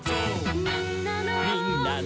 「みんなの」